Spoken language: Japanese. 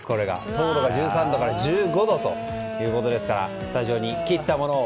糖度が１３度から１５度ということでスタジオに切ったものを。